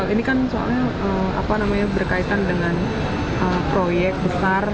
ini kan soalnya berkaitan dengan proyek besar